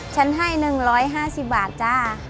ฉันให้๑๕๐บาทจ้า